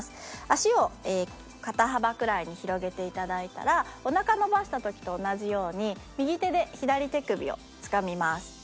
足を肩幅くらいに広げて頂いたらお腹伸ばした時と同じように右手で左手首をつかみます。